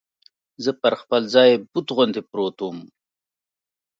زه پر خپل ځای بت غوندې پروت ووم.